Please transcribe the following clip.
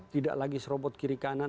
tidak lagi serobot kiri kanan